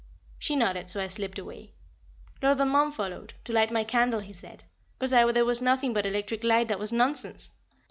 She nodded, so I slipped away. Lord Valmond followed, to light my candle he said, but as there is nothing but electric light that was nonsense.